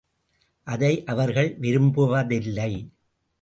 அதை அவர்கள் விரும்புவதில்லை.